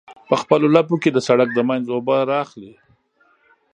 په خپلو لپو کې د سرک د منځ اوبه رااخلي.